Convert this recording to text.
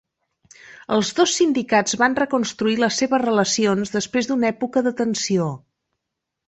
Els dos sindicats van reconstruir les seves relacions després d'una època de tensió.